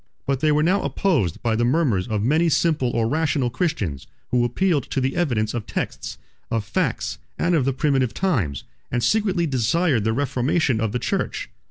But they were now opposed by the murmurs of many simple or rational Christians, who appealed to the evidence of texts, of facts, and of the primitive times, and secretly desired the reformation of the church.